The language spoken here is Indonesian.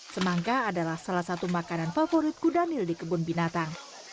semangka adalah salah satu makanan favorit kudanil di kebun binatang